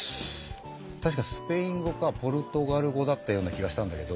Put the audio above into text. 確かスペイン語かポルトガル語だったような気がしたんだけど。